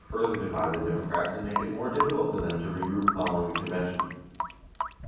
172 further divide the Democrats and make it more difficult for them to re group following the convention.